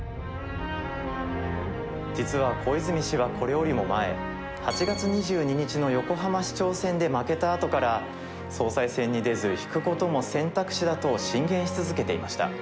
実は小泉氏はこれよりも前、８月２２日の横浜市長選で負けたあとから、総裁選に出ず、引くことも選択肢だと進言続けていました。